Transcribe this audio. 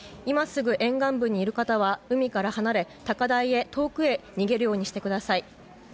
今すぐ沿岸部にいる方は海から離れ高台へ、遠くへ逃げるようにしてください。